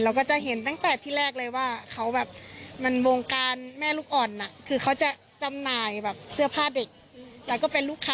เราก็ถึงแบบเอ่อไว้ใจที่จะไปออมค่ะ